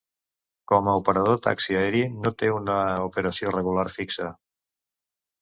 Com a operador de taxi aeri no té una operació regular fixa.